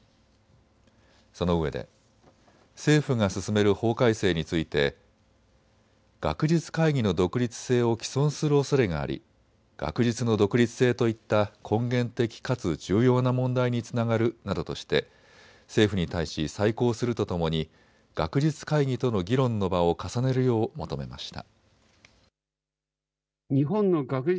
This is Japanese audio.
そのうえで政府が進める法改正について学術会議の独立性を毀損するおそれがあり学術の独立性といった根源的かつ重要な問題につながるなどとして政府に対し再考するとともに学術会議との議論の場を重ねるよう求めました。